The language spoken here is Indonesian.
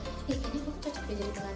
tapi kenyataannya juga